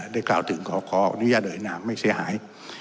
ได้กล่าวถึงขออนุญาตเอาให้น้ำไม่เสียหาย